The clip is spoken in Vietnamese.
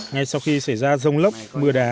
ngay sau khi xảy ra rông lốc mưa đá